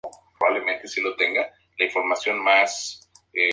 Habita en el Mar de Ojotsk y Mar de Bering.